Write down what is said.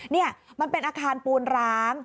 นี่มันเป็นอาคารปูนร้าง